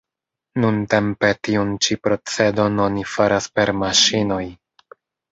Nuntempe tiun ĉi procedon oni faras per maŝinoj.